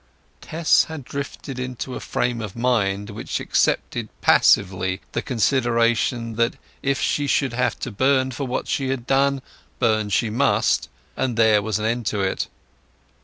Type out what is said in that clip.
Tess had drifted into a frame of mind which accepted passively the consideration that if she should have to burn for what she had done, burn she must, and there was an end of it.